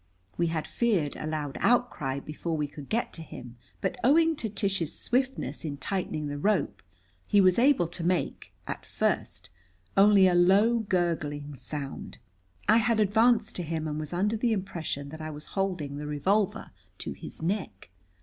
We had feared a loud outcry before we could get to him, but owing to Tish's swiftness in tightening the rope he was able to make, at first, only a low, gurgling sound. I had advanced to him, and was under the impression that I was holding the revolver to his neck.